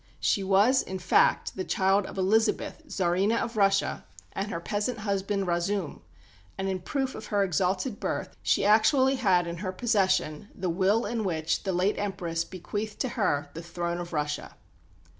She was, in fact, the child of Elizabeth, Tsarina of Russia, and her peasant husband, Razoum; and in proof of her exalted birth she actually had in her possession the will in which the late Empress bequeathed to her the throne of Russia.